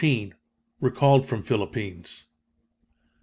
Recalled from Philippines.